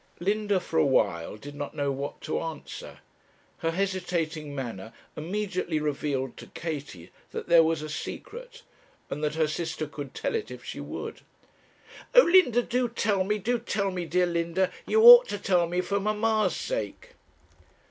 Linda, for a while, did not know what to answer. Her hesitating manner immediately revealed to Katie that there was a secret, and that her sister could tell it if she would. 'Oh! Linda, do tell me, do tell me, dear Linda; you ought to tell me for mamma's sake.'